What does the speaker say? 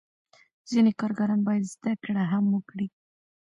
ځینې کارګران باید زده کړه هم وکړي.